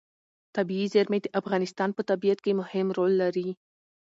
طبیعي زیرمې د افغانستان په طبیعت کې مهم رول لري.